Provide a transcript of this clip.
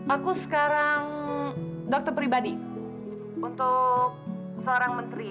aku sekarang dokter pribadi untuk seorang menteri